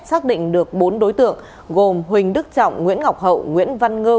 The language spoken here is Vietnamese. xác định được bốn đối tượng gồm huỳnh đức trọng nguyễn ngọc hậu nguyễn văn ngư